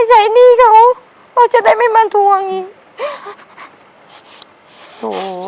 สายหนี้เขาเพราะจะได้ไม่บันทวงอีก